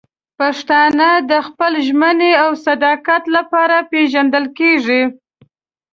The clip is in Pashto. پښتانه د خپل ژمنې او صداقت لپاره پېژندل کېږي.